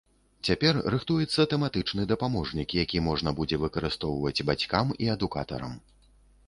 Цяпер рыхтуецца тэматычны дапаможнік, які можна будзе выкарыстоўваць бацькам і адукатарам.